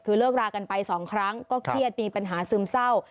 คือเลิกรากันไป๒ครั้งก็เครียดมีปัญหาซึมเศร้า